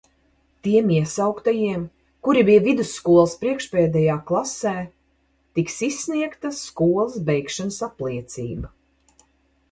Tiem iesauktajiem, kuri bija vidusskolas priekšpēdējā klasē tiks izsniegta skolas beigšanas apliecība.